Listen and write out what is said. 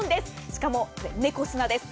しかも猫砂です。